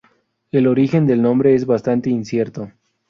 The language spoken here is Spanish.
El origen del nombre es bastante incierto.